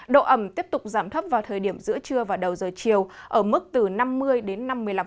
độ ẩm tiếp tục giảm thấp vào thời điểm giữa trưa và đầu giờ chiều ở mức từ năm mươi đến năm mươi năm